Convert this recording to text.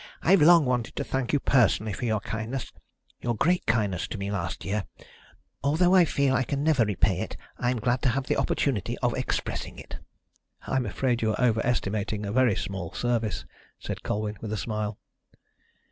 "I've long wanted to thank you personally for your kindness your great kindness to me last year. Although I feel I can never repay it, I'm glad to have the opportunity of expressing it." "I'm afraid you are over estimating a very small service," said Colwyn, with a smile.